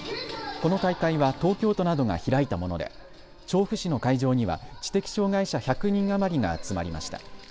この大会は東京都などが開いたもので調布市の会場には知的障害者１００人余りが集まりました。